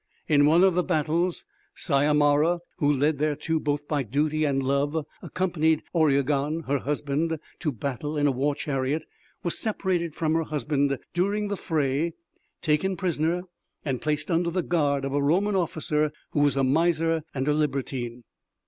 In one of the battles, Syomara, who, led thereto both by duty and love, accompanied Oriegon, her husband, to battle in a war chariot, was separated from her husband during the fray, taken prisoner, and placed under the guard of a Roman officer, who was a miser and a libertine.